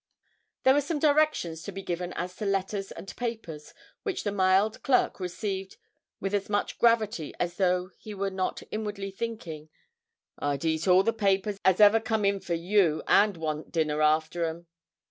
There were some directions to be given as to letters and papers, which the mild clerk received with as much gravity as though he were not inwardly thinking, 'I'd eat all the papers as ever come in for you, and want dinner after 'em.'